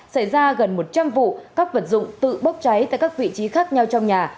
xảy ra gần một trăm linh vụ các vật dụng tự bốc cháy tại các vị trí khác nhau trong nhà